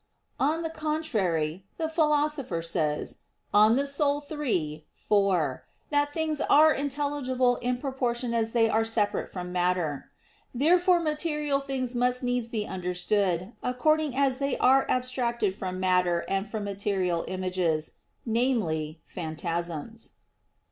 On the contrary, The Philosopher says (De Anima iii, 4) that "things are intelligible in proportion as they are separate from matter." Therefore material things must needs be understood according as they are abstracted from matter and from material images, namely, phantasms.